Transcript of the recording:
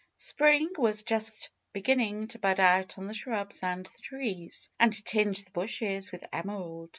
Spring was just beginning to bud out on the shrubs and the trees, and to tinge the bushes with emerald.